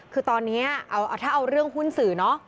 คือตอนนี้ถ้าเอาเรื่องหุ้นสื่อเนอะ